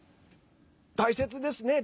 大切ですね。